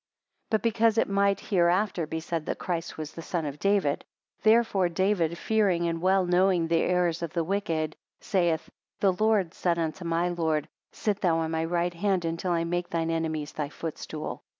13 But because it might hereafter be said that Christ was the Son of David; therefore David fearing and well knowing the errors of the wicked, saith; the Lord said unto my Lord, sit thou on my right hand until I make thine enemies thy footstool.